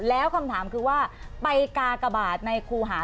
แล้วคำถามคือว่าไปกากบาทในครูหา